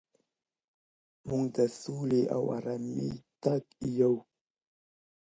موږ د سولې او ارامۍ تږي یو.